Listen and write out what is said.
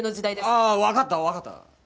ああわかったわかった。